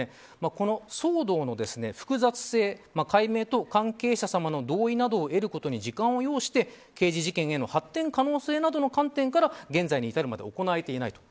この騒動の複雑性解明と関係者さまの同意などを得ることに時間を要して刑事事件への発展可能性などの観点から現在に至るまで行えていないと。